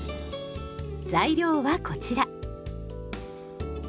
材料はこちら。